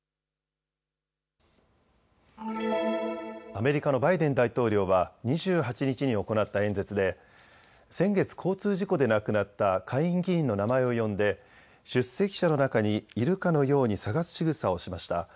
アメリカのバイデン大統領は２８日に行った演説で先月、交通事故で亡くなった下院議員の名前を呼んで出席者の中にいるかのように探すしぐさをしました。